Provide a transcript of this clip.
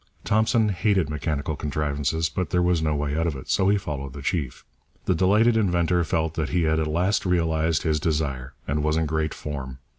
Thompson hated mechanical contrivances, but there was no way out of it, so he followed the chief. The delighted inventor felt that he had at last realized his desire, and was in great form.